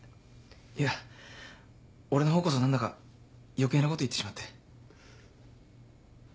いや俺の方こそ何だか余計なこと言ってしまって。